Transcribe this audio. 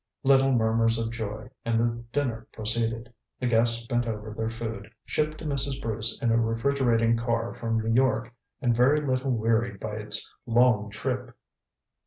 Little murmurs of joy, and the dinner proceeded. The guests bent over their food, shipped to Mrs. Bruce in a refrigerating car from New York, and very little wearied by its long trip.